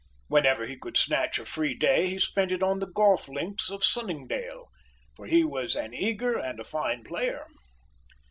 Whenever he could snatch a free day he spent it on the golf links of Sunningdale, for he was an eager and a fine player.